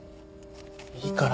いいから。